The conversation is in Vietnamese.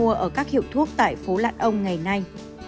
hội quán phúc kiến mua ở các hiệu thuốc tại phố lan ông ngày nay